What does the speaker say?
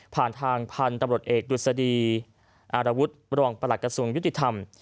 ผ่านทางพันธุ์ตำรวจเอกดุษฎีอารวุฒิรองประหลักกระทรวงยุติธรรม